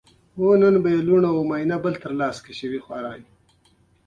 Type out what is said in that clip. رعایا فیوډالي خانانو ته د امتیازاتو او مالیاتو په ورکولو مکلف و.